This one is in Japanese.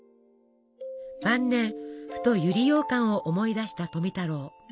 晩年ふと百合ようかんを思い出した富太郎。